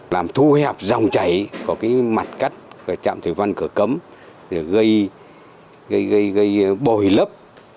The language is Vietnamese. làm thu hẹp dòng chảy của mặt cắt của chạm thủy văn cửa cấm gây bồi lớp